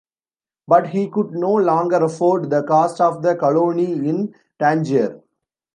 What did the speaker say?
But he could no longer afford the cost of the colony in Tangier.